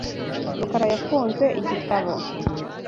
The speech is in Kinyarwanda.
rukara yafunze igitabo .